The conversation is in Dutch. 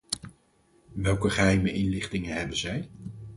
Welke geheime inlichtingen hebben zij?